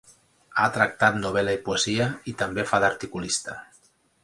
Ha tractat novel·la i poesia, i també fa d'articulista.